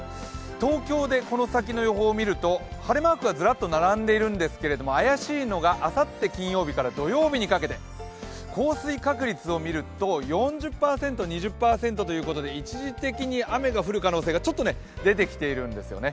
東京でこの先の予報を見ると晴れマークがずらっと並んでいるんですけど怪しいのがあさって金曜日から土曜日にかけて降水確率を見ると４０％、２０％ということで一時的に雨が降る可能性が出てきているんですよね。